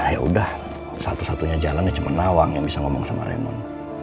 yaudah satu satunya jalannya cuma nawang yang bisa ngomong sama remon